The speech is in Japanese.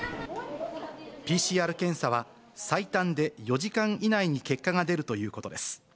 ＰＣＲ検査は最短で４時間以内に結果が出るということです。